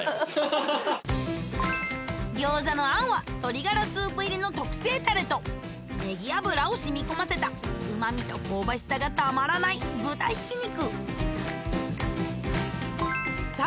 餃子の餡は鶏ガラスープ入りの特製タレとネギ油を染み込ませたうま味と香ばしさがたまらない豚ひき肉